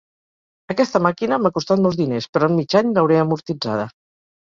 Aquesta màquina m'ha costat molts diners, però en mig any l'hauré amortitzada.